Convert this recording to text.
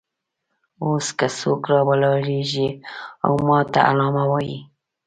اوس که څوک راولاړېږي او ماته علامه وایي.